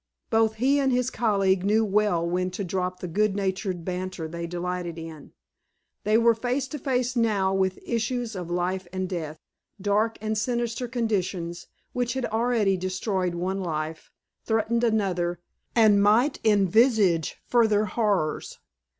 Both he and his colleague knew well when to drop the good natured banter they delighted in. They were face to face now with issues of life and death, dark and sinister conditions which had already destroyed one life, threatened another, and might envisage further horrors.